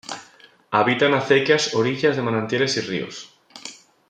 Habita en acequias, orillas de manantiales y ríos.